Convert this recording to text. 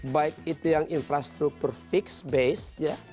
baik itu yang infrastruktur fixed base